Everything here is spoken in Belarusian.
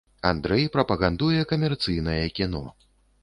Андрэй прапагандуе камерцыйнае кіно.